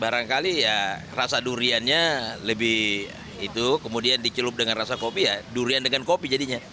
barangkali ya rasa duriannya lebih itu kemudian dicelup dengan rasa kopi ya durian dengan kopi jadinya